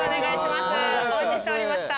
お待ちしておりました。